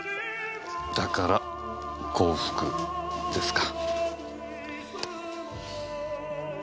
だから「幸福」ですか。